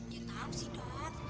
dia tahu sih dok